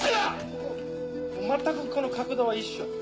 まったくこの角度一緒だ。